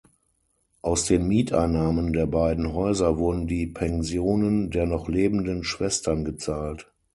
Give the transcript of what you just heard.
Aus den Mieteinnahmen der beiden Häuser wurden die Pensionen der noch lebenden Schwestern gezahlt.